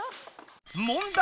問題！